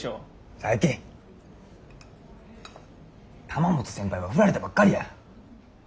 玉本先輩は振られたばっかりや。